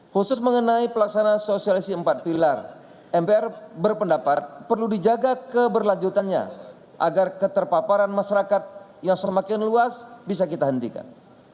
pembangunan sosialisasi empat pilar mpr berpendapat perlu dijaga keberlanjutannya agar keterpaparan masyarakat yang semakin luas bisa kita hentikan